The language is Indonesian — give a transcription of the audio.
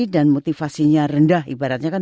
dan motivasinya rendah ibaratnya kan